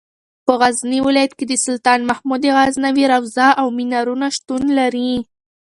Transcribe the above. په غزني ولایت کې د سلطان محمود غزنوي روضه او منارونه شتون لري.